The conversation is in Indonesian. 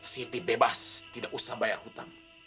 siti bebas tidak usah bayar hutang